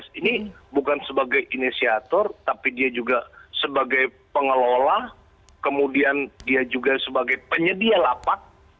ini bukan sebagai inisiator tapi dia juga sebagai pengelola kemudian dia juga sebagai penyedia lapak